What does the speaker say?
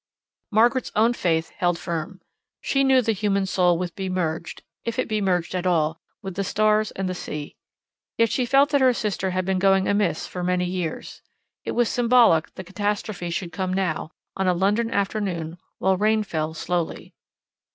Margaret's own faith held firm. She knew the human soul will be merged, if it be merged at all, with the stars and the sea. Yet she felt that her sister had been going amiss for many years. It was symbolic the catastrophe should come now, on a London afternoon, while rain fell slowly.